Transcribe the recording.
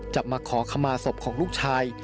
จับมาขอคำมาศพของลูกชาย